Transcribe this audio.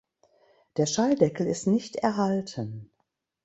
Der Schalldeckel ist nicht erhalten.